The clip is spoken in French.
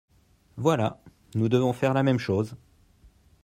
voilà, nous devons faire la même chose.